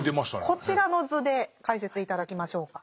こちらの図で解説頂きましょうか。